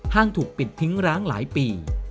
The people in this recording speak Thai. ถูกปิดทิ้งร้างหลายปี